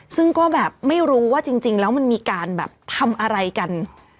ซึ่งก็แบบไม่รู้ว่าจริงแล้วมันมีการแบบทำอะไรกัน